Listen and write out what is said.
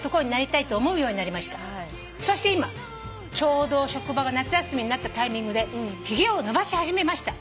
「そして今ちょうど職場が夏休みになったタイミングでひげを伸ばし始めました」